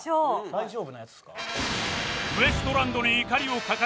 大丈夫なやつですか？